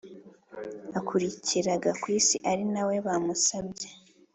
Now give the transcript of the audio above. Akurikira gakwisi ari na we bamusabye